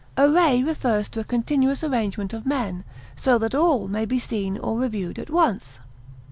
Array refers to a continuous arrangement of men, so that all may be seen or reviewed at once.